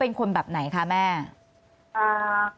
อันดับที่สุดท้าย